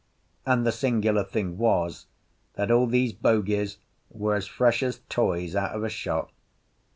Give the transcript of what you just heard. And the singular thing was that all these bogies were as fresh as toys out of a shop.